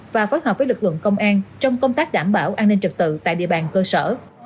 và phối hợp với lực lượng công an trong công tác đảm bảo an ninh trật tự tại địa bàn cơ sở